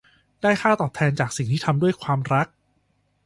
ได้ค่าตอบแทนจากสิ่งที่ทำด้วยความรัก